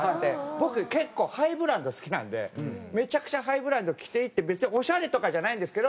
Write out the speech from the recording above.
僕結構ハイブランド好きなんでめちゃくちゃハイブランドを着ていって別にオシャレとかじゃないんですけど。